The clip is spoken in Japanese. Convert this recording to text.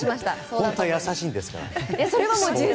本当は優しいですから。